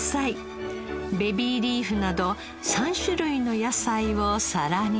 ベビーリーフなど３種類の野菜を皿に盛り。